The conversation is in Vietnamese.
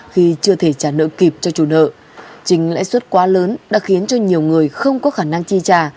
khi chưa thể trả nợ kịp cho chủ nợ chính lãi suất quá lớn đã khiến cho nhiều người không có khả năng chi trả